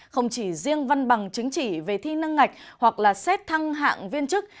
không chỉ riêng văn bằng chính trị về thi nâng ngạch hoặc là xét thăng hạng viên chức